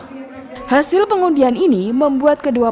alhamdulillah nomor dua dua ini ada satu hal yang juga penting